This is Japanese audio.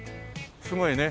すごいね。